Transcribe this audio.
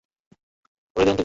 ওরাই তদন্ত করে।